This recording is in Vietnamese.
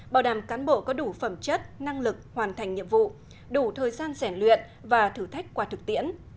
bảo đảm cán bộ có đủ phẩm chất năng lực hoàn thành nhiệm vụ đủ thời gian rẻ luyện và thử thách qua thực tiễn